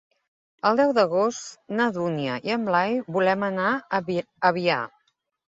El deu d'agost na Dúnia i en Blai volen anar a Biar.